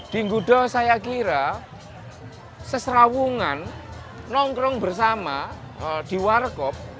di gudo saya kira seserawungan nongkrong bersama di warkop